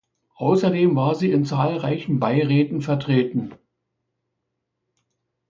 Außerdem war sie in zahlreichen Beiräten vertreten.